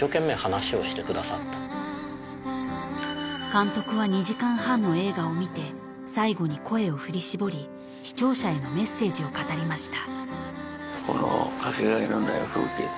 ［監督は２時間半の映画を見て最後に声を振り絞り視聴者へのメッセージを語りました］